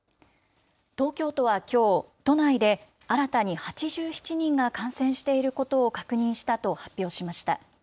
東京都はきょう、都内で新たに８７人が感染していることを確認したと発表しました。